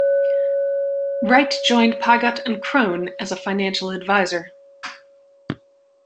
Wright joined Pygott and Crone as a financial advisor.